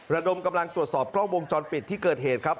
ระดมกำลังตรวจสอบกล้องวงจรปิดที่เกิดเหตุครับ